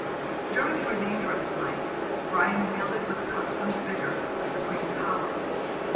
During the remainder of his life, Brian wielded with accustomed vigour the supreme power.